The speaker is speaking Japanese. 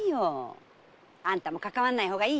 あんたもかかわんない方がいいよ！